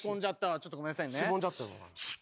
ちょっとごめんなさいね。